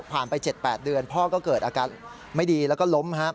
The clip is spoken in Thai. ไป๗๘เดือนพ่อก็เกิดอาการไม่ดีแล้วก็ล้ม